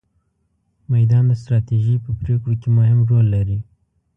مدیران د ستراتیژۍ په پرېکړو کې مهم رول لري.